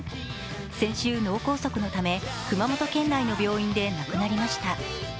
先週、脳梗塞のため熊本県内の病院で亡くなりました。